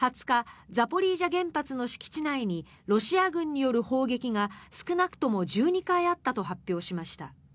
ザポリージャ原発の敷地内にロシア軍による砲撃が少なくとも１２回あったと発表しました。